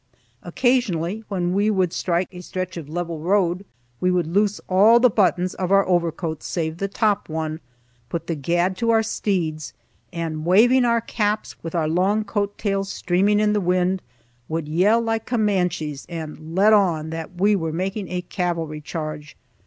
Occasionally, when we would strike a stretch of level road, we would loose all the buttons of our overcoats save the top one, put the gad to our steeds, and waving our caps, with our long coat tails streaming in the wind, would yell like Comanches, and "let on" that we were making a cavalry charge.